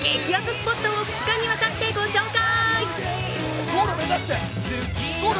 スポットを２日にわたってご紹介！